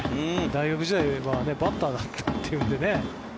大学時代はバッターだったっていうんでね。